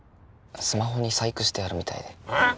スマホに細工してあるみたいでああ！？